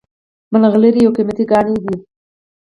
ملغلرې یو قیمتي کاڼی دی